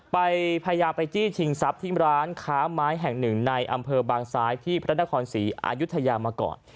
พยายามไปจี้ชิงทรัพย์ที่ร้านค้าไม้แห่งหนึ่งในอำเภอบางซ้ายที่พระนครศรีอายุทยามาก่อน